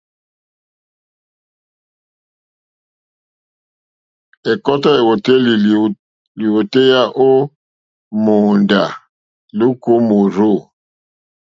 Ɛ̀kɔ́tɔ́ èwòtélì lìwòtéyá ó mòóndá lùúkà ó mòrzô.